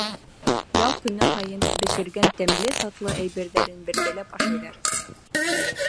Ял көнө һайын бешергән тәмле-татлы әйберҙәрен бергәләп ашайҙар.